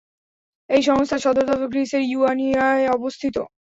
এই সংস্থার সদর দপ্তর গ্রিসের ইওয়ানিয়ায় অবস্থিত।